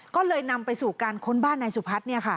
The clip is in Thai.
ก็เลยนำไปสู่การค้นบ้านนายสุพัฒน์